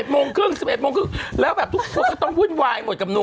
ฉันบอก๑๑๓๐แล้วแบบทำดิวีดวายหมดกับหนุ่ม